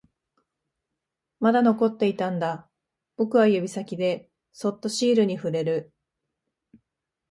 まだ残っていたんだ、僕は指先でそっとシールに触れる